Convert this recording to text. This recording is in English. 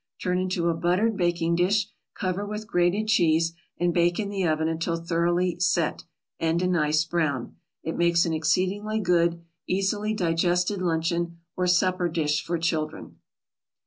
Turn into a buttered baking dish, cover with grated cheese, and bake in the oven until thoroughly "set" and a nice brown. It makes an exceedingly good, easily digested luncheon or supper dish for children.